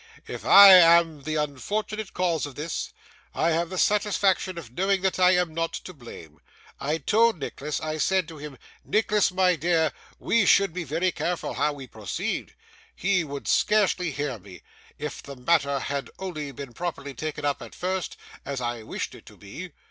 if I am the unfortunate cause of this, I have the satisfaction of knowing that I am not to blame. I told Nicholas, I said to him, "Nicholas, my dear, we should be very careful how we proceed." He would scarcely hear me. If the matter had only been properly taken up at first, as I wished it to be!